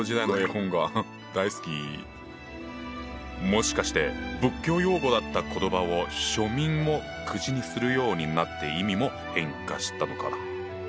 もしかして仏教用語だった言葉を庶民も口にするようになって意味も変化したのかな？